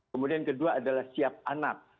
kemudian kedua adalah siap anak